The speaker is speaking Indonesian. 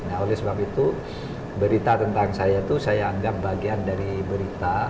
nah oleh sebab itu berita tentang saya itu saya anggap bagian dari berita